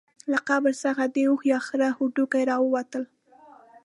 له قبر څخه د اوښ یا خره هډوکي راووتل.